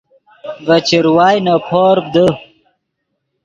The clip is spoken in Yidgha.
ڤے چروائے نے پورپ دے